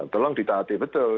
tolong ditaati betul